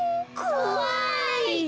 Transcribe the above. こわい！